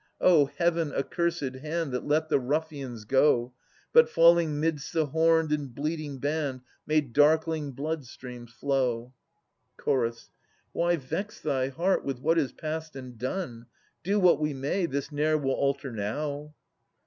O heaven accursed hand That let the ruffians go, But falling 'midst the horn'd and bleating band, Made darkling blood streams flow 1 Ch. Why vex thy heart with what is past and done ? Do what we may, this ne'er will alter now.